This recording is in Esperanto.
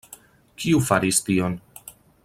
Kiu faris tion?